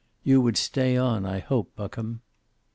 You would stay on, I hope, Buckham."